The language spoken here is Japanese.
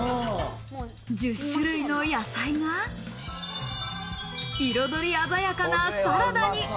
１０種類の野菜が彩り鮮やかなサラダに。